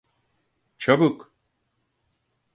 Çabuk!